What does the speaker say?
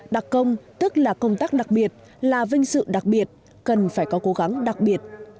đặc công tức là công tác đặc biệt là vinh sự đặc biệt cần phải có cố gắng đặc biệt